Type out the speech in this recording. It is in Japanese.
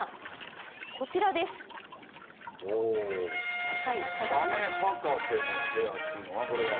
「サメ博士の部屋」っていうのはこれはサメですね。